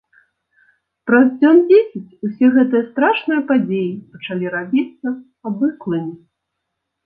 Праз дзён дзесяць усе гэтыя страшныя падзеі пачалі рабіцца абыклымі.